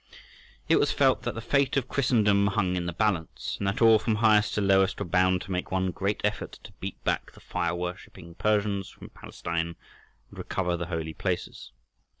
It was felt that the fate of Christendom hung in the balance, and that all, from highest to lowest, were bound to make one great effort to beat back the fire worshipping Persians from Palestine, and recover the Holy Places.